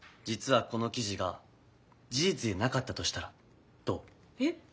実はこの記事が事実でなかったとしたらどう？え！？